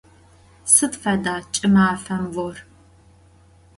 Sıd feda ç'ımafem vor?